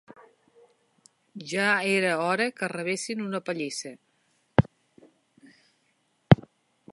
Ja era hora que rebessin una pallissa